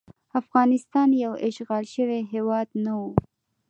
افغانستان یو اشغال شوی هیواد نه وو.